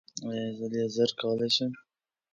ایا زه لیزر کولی شم؟